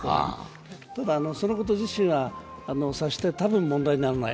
ただ、そのこと自身はさして多分問題にならない。